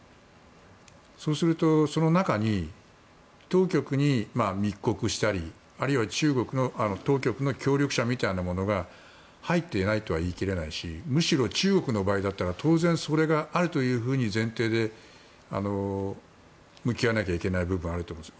そうすると、その中に当局に密告したりあるいは中国の当局の協力者みたいなものが入っていないとは言い切れないしむしろ、中国の場合だったら当然それがあるという前提で向き合わなければいけない部分があると思います。